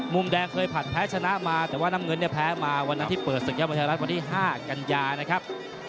มุมแดงเคยผ่านแพ้ชนะมาแต่ว่าน้ำเงินเนี่ยแพ้มาวันนั้นที่เปิดศึกยอดมวยไทยรัฐวันที่๕กันยานะครับ